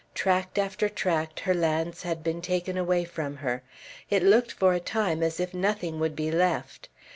Tract after tract, her lands had been taken away from her; it looked for a time as if nothing would be left.